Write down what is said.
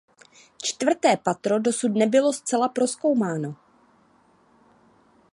Čtvrté patro dosud nebylo zcela prozkoumáno.